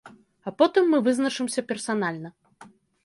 А потым мы вызначымся персанальна.